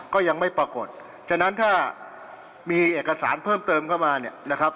ก็ยังไม่ปรากฏฉะนั้นถ้ามีเอกสารเพิ่มเติมเข้ามาเนี่ยนะครับ